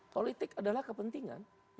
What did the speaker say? politik adalah kepentingan